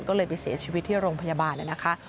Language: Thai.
ก็เลยไปเสียชีวิตที่โรงพยาบาลนะคะ